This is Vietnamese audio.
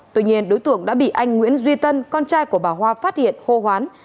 tuy nhiên đối tượng đã bị anh nguyễn duy tân con trai của bà hoa phát hiện hô hoán